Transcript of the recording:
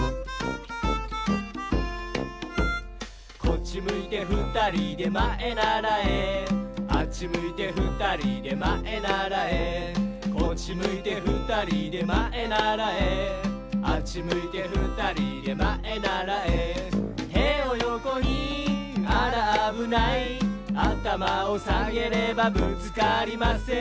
「こっちむいてふたりでまえならえ」「あっちむいてふたりでまえならえ」「こっちむいてふたりでまえならえ」「あっちむいてふたりでまえならえ」「てをよこにあらあぶない」「あたまをさげればぶつかりません」